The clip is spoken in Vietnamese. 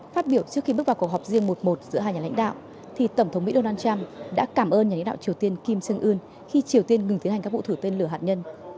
phát biểu trước khi bước vào cuộc họp riêng một giữa hai nhà lãnh đạo thì tổng thống mỹ donald trump đã cảm ơn nhà lãnh đạo triều tiên kim sơn ưn khi triều tiên ngừng tiến hành các vụ thử tên lửa hạt nhân